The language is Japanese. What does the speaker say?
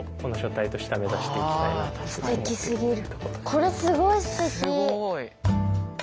これすごいすてき。